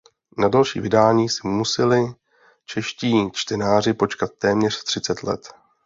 Na další vydání si museli čeští čtenáři počkat téměř třicet let.